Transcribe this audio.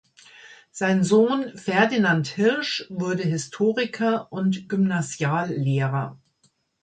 Sein Sohn Ferdinand Hirsch wurde Historiker und Gymnasiallehrer.